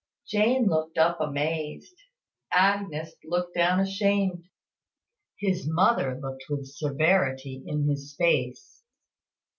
Jane looked up amazed Agnes looked down ashamed; his mother looked with severity in his face.